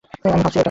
আমি ভাবছি এটা।